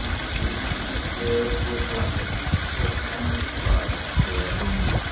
The atmosphere will blight it, it cannot live here.